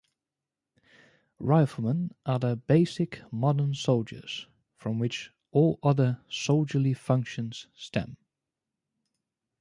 Riflemen are the basic modern soldiers from which all other soldierly functions stem.